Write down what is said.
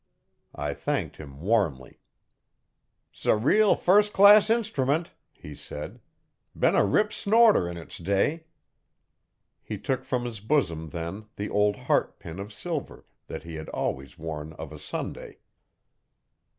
I thanked him warmly. ''S a reel firs' class instrument,' he said. 'Been a rip snorter 'n its day.' He took from his bosom then the old heart pin of silver that he had always worn of a Sunday.